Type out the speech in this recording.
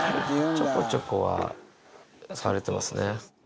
ちょこちょこは触れてますね。